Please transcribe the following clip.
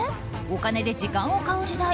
お金で時間を買う時代。